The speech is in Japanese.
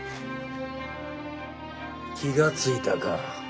気が付いたか。